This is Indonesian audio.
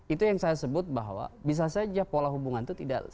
itu yang saya sebut bahwa bisa saja pola hubungan itu tidak